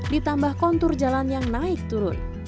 ditambah kontur jalan yang naik turun